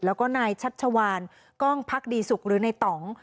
แล้วก็นายชัชวานกล้องพักดีสุขหรือในต่อง